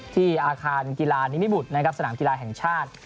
ที่อาคารกีฬานิมิบุตรนะครับสนามกีฬาแห่งชาติ